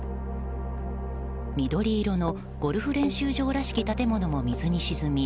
緑色のゴルフ練習場らしき建物も水に沈み